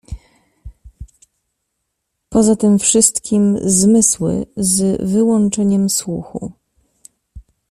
Poza tym wszystkim zmysły, z wyłączeniem słuchu